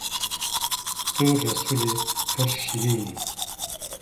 Tu Resûlê pir şîrîn î